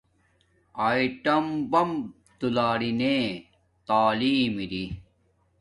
اݶٹم بمپ دولارینے تعلیم اری